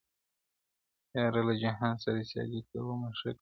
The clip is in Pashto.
• يار له جهان سره سیالي کومه ښه کومه ,